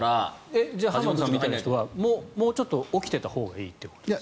じゃあ浜田さんみたいな人はもうちょっと起きていたほうがいいということですか？